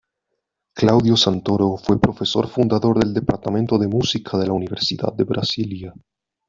Claudio Santoro fue profesor fundador del Departamento de Música de la Universidad de Brasilia.